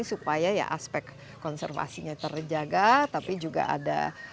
supaya ya aspek konservasinya terjaga tapi juga ada